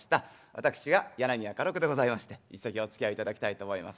私が柳家花緑でございまして一席おつきあいいただきたいと思います。